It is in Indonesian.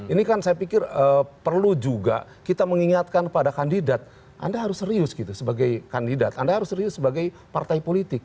ini kan saya pikir perlu juga kita mengingatkan kepada kandidat anda harus serius gitu sebagai kandidat anda harus serius sebagai partai politik